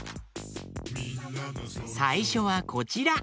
さいしょはこちら！